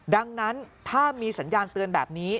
ดังนั้นถ้ามีสัญญาณเตือนแบบนี้